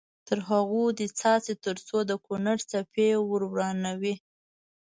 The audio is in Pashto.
تر هغو دې څاڅي تر څو د کونړ څپې ور روانې وي.